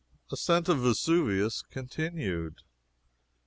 ASCENT OF VESUVIUS CONTINUED.